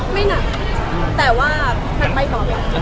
ไม่หนักแต่ว่าไปก่อน